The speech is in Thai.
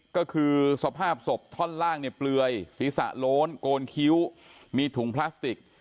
ก็คือสภาพศพท่อนล่างเนี่ยเปลือยศีรษะโล้นโกนคิ้วมีถุงพลาสติก